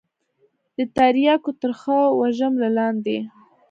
د ترياكو ترخه وږم له لاندې.